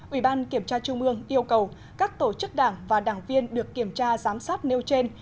ủy ban kiểm tra trung ương yêu cầu các tổ chức đảng và đảng viên được kiểm tra giám sát nêu trên